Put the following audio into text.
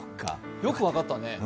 よく分かったね。